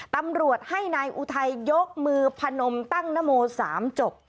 ตำรวจให้นายอุทัยยกมือพนมตั้งนโม๓จบ